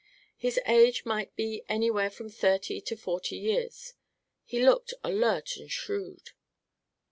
His age might be anywhere from thirty to forty years. He looked alert and shrewd.